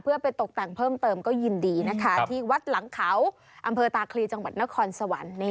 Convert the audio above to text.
เพื่อไปตกแต่งเพิ่มเติมก็ยินดีนะคะที่วัดหลังเขาอำเภอตาคลีจังหวัดนครสวรรค์